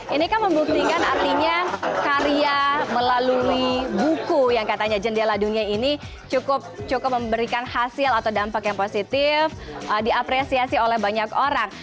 ini kan membuktikan artinya karya melalui buku yang katanya jendela dunia ini cukup memberikan hasil atau dampak yang positif diapresiasi oleh banyak orang